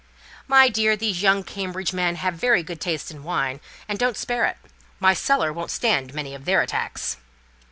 "My dear! these young Cambridge men have a very good taste in wine, and don't spare it. My cellar won't stand many of their attacks."